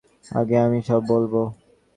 আগে আমি সব বলবো।